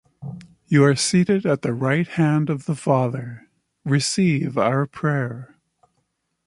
you are seated at the right hand of the Father: receive our prayer.